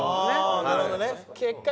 ああなるほどね。